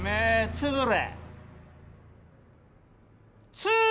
・つぶれ！